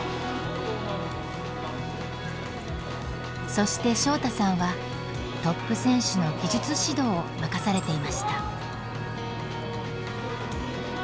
そして翔大さんはトップ選手の技術指導を任されていました。